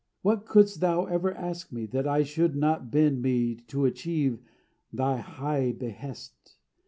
What couldst thou ever ask me that I should Not bend me to achieve thy high behest?